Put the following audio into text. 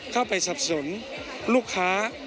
เข้าไปสรรพสมลูกค้า